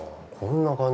こんな